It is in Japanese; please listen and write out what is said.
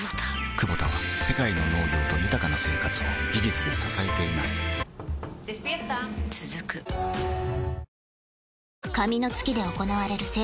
クボタは世界の農業と豊かな生活を技術で支えています起きて。